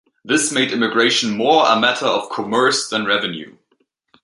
This made immigration more a matter of commerce than revenue.